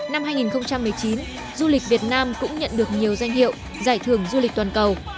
năm hai nghìn một mươi chín du lịch việt nam cũng nhận được nhiều danh hiệu giải thưởng du lịch toàn cầu